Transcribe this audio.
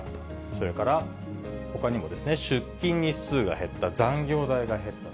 それからほかにもですね、出勤日数が減った、残業代が減った。